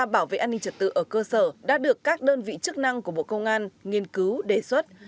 trang thiết bị của lực lượng tham gia bảo vệ an ninh trật tự ở cơ sở đã được các đơn vị chức năng của bộ công an nghiên cứu đề xuất